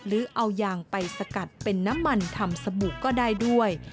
หรือเอายางไปสกัดเป็นน้ำมันทำสบู่ก็ได้ด้วย